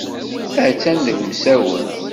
Attan deg umsawen.